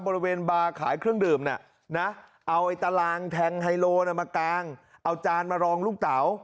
บริเวณบาร์ขายเครื่องดื่มเอาไอ้ตารางแทงไฮโลมากางเอาจานมารองลูกเต๋า